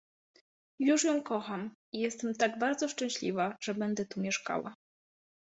Już ją kocham i jestem tak bardzo szczęśliwa, że będę tu mieszkała.